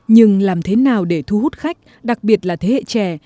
nhưng làm thế nào để thu hút khách đặc biệt là thế hệ trẻ